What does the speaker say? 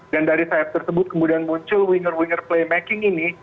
dan dari sayap tersebut kemudian muncul winger winger playmaking ini